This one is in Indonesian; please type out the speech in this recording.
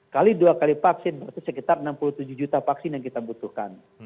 kali dua kali vaksin berarti sekitar enam puluh tujuh juta vaksin yang kita butuhkan